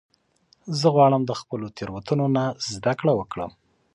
زه غواړم د خپلو تیروتنو نه زده کړه وکړم.